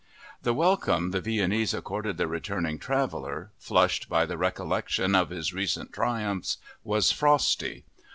The welcome the Viennese accorded the returning traveler, flushed by the recollection of his recent triumphs, was frosty.